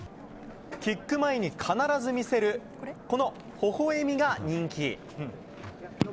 キック前に必ず見せるこのほほ笑みが人気。